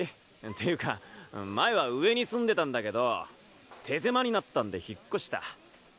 っていうか前は上に住んでたんだけど手狭になったんで引っ越した。